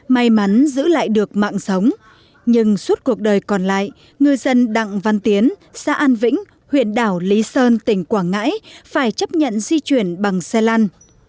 may mắn giữ lại được mạng sống nhưng suốt cuộc đời còn lại ngư dân đặng văn tiến xã an vĩnh huyện đảo lý sơn tỉnh quảng ngãi phải chấp nhận di chuyển bằng xe lăn